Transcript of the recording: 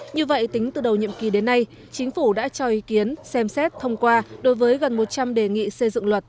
như vậy tính từ đầu nhiệm kỳ đến nay chính phủ đã cho ý kiến xem xét thông qua đối với gần một trăm linh đề nghị xây dựng luật